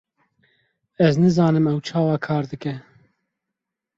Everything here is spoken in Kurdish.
Ez nizanim ew çawa kar dike.